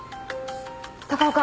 高岡